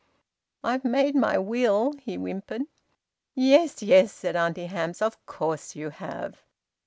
"I've made my will," he whimpered. "Yes, yes," said Auntie Hamps. "Of course you have!"